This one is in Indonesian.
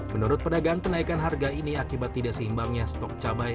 menurut pedagang kenaikan harga ini akibat tidak seimbangnya stok cabai